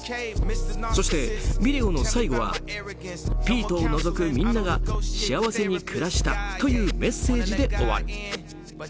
そしてビデオの最後はピートを除くみんなが幸せに暮らしたというメッセージで終わる。